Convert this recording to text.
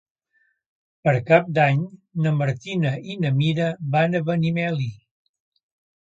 Per Cap d'Any na Martina i na Mira van a Benimeli.